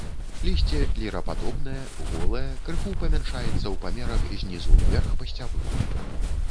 Лісце лірападобнае, голае, крыху памяншаецца ў памерах знізу ўверх па сцяблу.